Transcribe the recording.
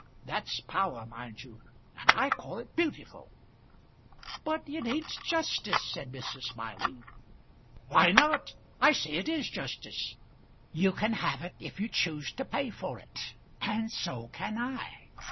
That's power, mind you, and I call it beautiful." "But it ain't justice," said Mrs. Smiley. "Why not? I say it is justice. You can have it if you choose to pay for it, and so can I.